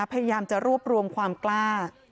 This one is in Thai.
พยายามจะรวบรวมความกล้า